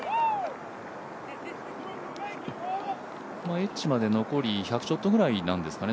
エッジまで残り１００ちょっとくらいなんですかね。